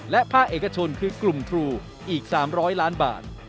และภาคเอกชนคือกลุ่มทรูอีก๓๐๐ล้านบาท